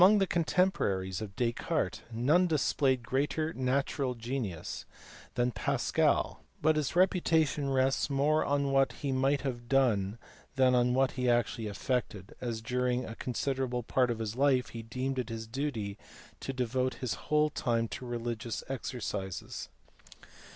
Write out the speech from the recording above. Among the contemporaries of Descartes none displayed greater natural genius than Pascal, but his reputa tion rests more on what he might have done than on what he actually effected, as during a considerable part of his life he deemed it his duty to devote his whole time to religious exercises.